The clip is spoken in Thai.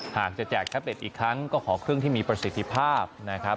หากจะแจกแท็บเล็ตอีกครั้งก็ขอเครื่องที่มีประสิทธิภาพนะครับ